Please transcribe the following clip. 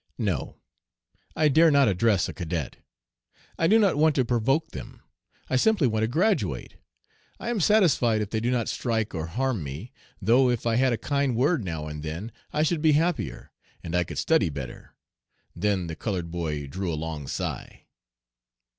"'No. I dare not address a cadet. I do not want to provoke them. I simply want to graduate. I am satisfied if they do not strike or harm me; though if I had a kind word now and then I should be happier, and I could study better,' Then the colored boy drew a long sigh.